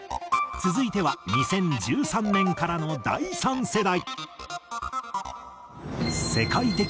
続いては２０１３年からの第３世代。